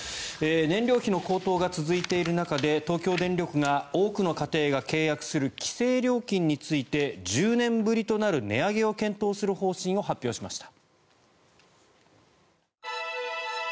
燃料費の高騰が続いている中で東京電力が多くの家庭が契約する規制料金について１０年ぶりとなる値上げを検討する方針を発表しました。